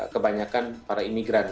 kebanyakan para imigran